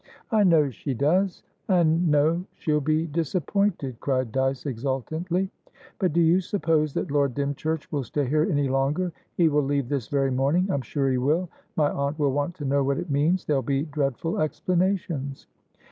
"I know she does, and know she'll be disappointed," cried Dyce, exultantly. "But do you suppose that Lord Dymchurch will stay here any longer? He will leave this very morning, I'm sure he will. My aunt will want to know what it means. There'll be dreadful explanations."